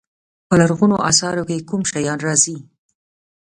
په لرغونو اثارو کې کوم شیان راځي.